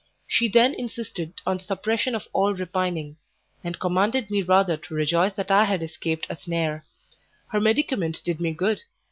She then insisted on the suppression of all repining, and commanded me rather to rejoice that I had escaped a snare. Her medicament did me good.